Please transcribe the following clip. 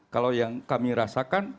kalau yang kami rasakan